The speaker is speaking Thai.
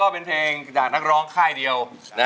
เป็นเพลงจากนักร้องค่ายเดียว